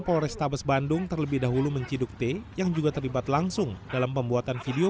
polrestabes bandung terlebih dahulu menciduk t yang juga terlibat langsung dalam pembuatan video